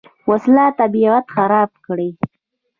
وسله طبیعت خرابه کړي